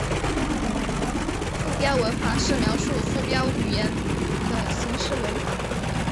附标文法是描述附标语言的形式文法。